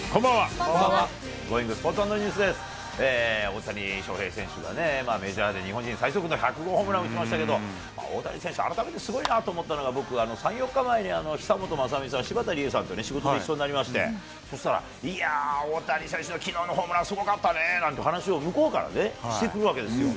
大谷翔平選手が、メジャーで日本人最速の１００号ホームラン打ちましたけど、大谷選手、改めてすごいなと思ったのが、僕、３、４日前に久本雅美さん、柴田理恵さんと仕事で一緒になりまして、そしたら、大谷選手のきのうのホームラン、すごかったねなんて話を向こうからね、してくるわけですよ。